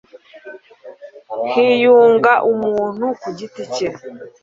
hiyunga umuntu ku giti cye